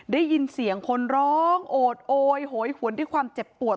ได้ยินเสียงคนร้องโอดโอยโหยหวนด้วยความเจ็บปวด